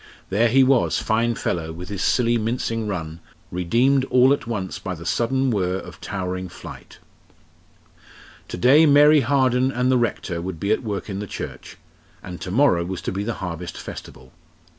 There he was, fine fellow, with his silly, mincing run, redeemed all at once by the sudden whirr of towering flight. To day Mary Harden and the Rector would be at work in the church, and to morrow was to be the Harvest Festival.